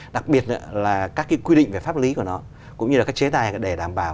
đặc biệt là các cái quy định về pháp lý của nó cũng như là các chế tài để đảm bảo